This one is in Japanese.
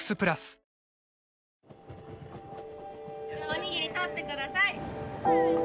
おにぎり取ってください！